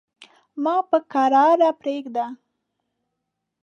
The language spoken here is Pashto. ما په کراره پرېږده.